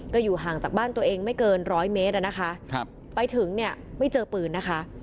ก็อยู่ห่างจากบ้านตัวเองไม่เกิน๑๐๐เมตรไปถึงไม่เจอปืน